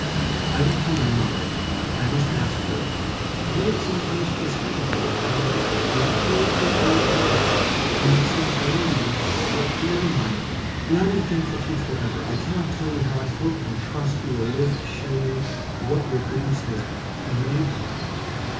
"I will tell my mother. I must ask her. To me it seems most desirable. Only, I fear he is very ill; and it seems lonely; but never mind! We ought to be thankful to you forever. I cannot tell you how I hope and trust he will live to show you what your goodness has made him."